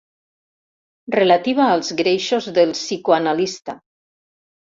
Relativa als greixos del psicoanalista.